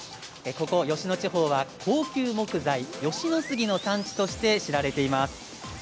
ここ吉野地方は高級木材吉野杉の産地として知られています。